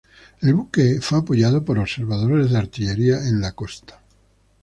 El buque fue apoyado por observadores de artillería en la costa.